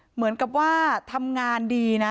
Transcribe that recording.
เหมือนกับว่าทำงานดีนะ